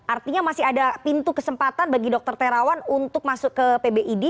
artinya masih ada pintu kesempatan bagi dokter terawan untuk masuk ke pbid